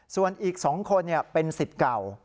ส่วนอีก๒คนเป็น๑๐เก่า